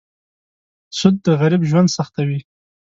سود د غریب ژوند سختوي.